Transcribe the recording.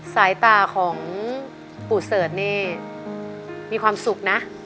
สายตาของปู่เสิร์ชนี่มีความสุขนะ